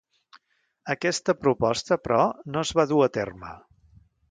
Aquesta proposta, però, no es va dur a terme.